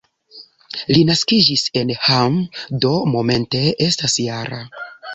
Li naskiĝis en Hamm, do momente estas -jara.